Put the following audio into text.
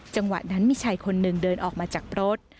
จังหวะนั้นมีชายคนหนึ่งเดินออกมาจากรถ